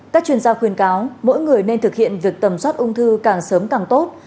các chuyên gia khuyên cáo mỗi người nên thực hiện việc tầm soát ung thư càng sớm càng tốt